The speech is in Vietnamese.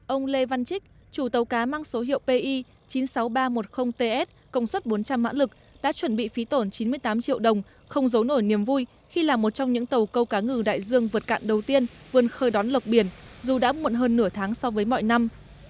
ông lê văn trích chủ tàu cá mang số hiệu pi chín mươi sáu nghìn ba trăm một mươi ts công suất bốn trăm linh mã lực đã chuẩn bị phí tổn chín mươi tám triệu đồng không giấu nổi niềm vui khi là một trong những tàu câu cá ngừ đại dương vượt cạn đầu tiên vươn khơi đón lọc biển dù đã muộn hơn nửa tháng so với mọi năm